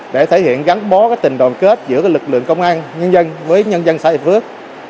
để thể hiện gắn bó tình đoàn kết giữa lực lượng công an nhân dân với nhân dân xã hiệp phước